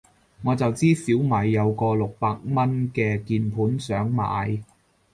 我就知小米有個六百蚊嘅鍵盤想買